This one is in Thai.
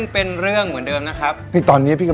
พี่โอ๊คสวัสดีครับ